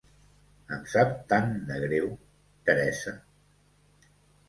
Em sap tant de greu, Teresa...